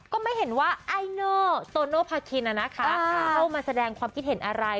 เข้ามาแสดงความคิดเห็นอะไร